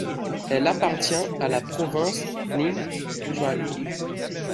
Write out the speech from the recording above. Elle appartient à la province d'Ninh Thuận.